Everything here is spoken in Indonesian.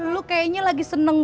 lo kayaknya lagi seneng banget ya